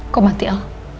kok mati al